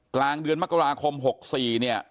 กลางเดือนมกราคม๖๔เนี่ย